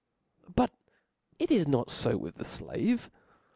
But it is not fo with the flave.